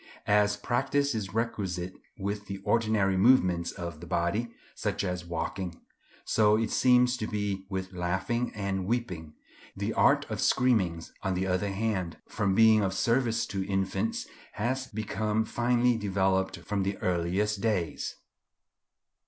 As practice is requisite with the ordinary movements of the body, such as walking, so it seems to be with laughing and weeping. The art of screaming, on the other hand, from being of service to infants, has become finely developed from the earliest days.